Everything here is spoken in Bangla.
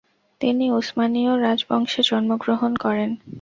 তিনি উসমানীয় রাজবংশে জন্মগ্রহণ করেন।